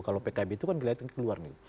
kalau pkb itu kan nilai islamnya keluar gitu